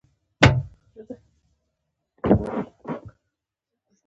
ځمکنی شکل د افغانانو لپاره په معنوي لحاظ ارزښت لري.